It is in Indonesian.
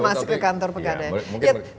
masuk ke kantor pegadaian